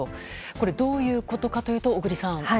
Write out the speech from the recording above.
これどういうことかというと小栗さん。